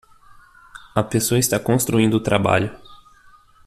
A pessoa está construindo o trabalho.